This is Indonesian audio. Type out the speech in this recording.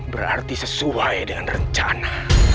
berarti sesuai dengan rencana